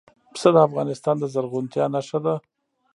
پسه د افغانستان د زرغونتیا نښه ده.